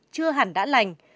chưa hẳn đã lành